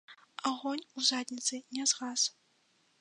Агонь ў задніцы не згас.